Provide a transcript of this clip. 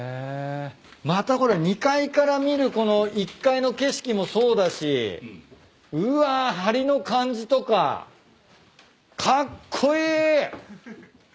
またこれ２階から見るこの１階の景色もそうだしうわ梁の感じとかカッコイイ！